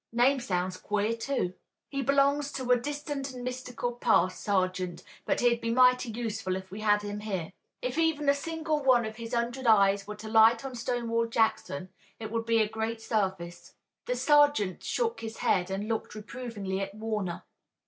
Name sounds queer, too." "He belongs to a distant and mythical past, sergeant, but he'd be mighty useful if we had him here. If even a single one of his hundred eyes were to light on Stonewall Jackson, it would be a great service." The sergeant shook his head and looked reprovingly at Warner.